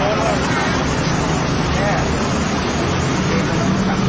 ขอบคุณครับขอบคุณครับ